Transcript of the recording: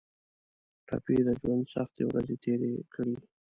ټپي د ژوند سختې ورځې تېرې کړي.